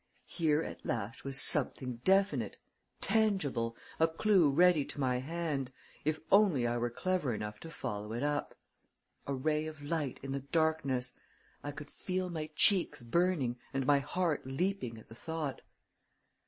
Here, at last, was something definite, tangible, a clew ready to my hand, if only I were clever enough to follow it up; a ray of light in the darkness! I could feel my cheeks burning, and my heart leaping at the thought!